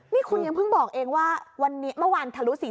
นี่คุณยังเพิ่งบอกเองว่าวันนี้เมื่อวานทะลุ๔๐